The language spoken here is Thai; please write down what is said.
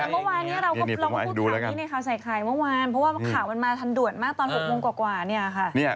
เมื่อวานนี้เราก็พูดข่าวนี้ในข่าวใส่ไข่เมื่อวานเพราะว่าข่าวมันมาทันด่วนมากตอน๖โมงกว่าเนี่ยค่ะ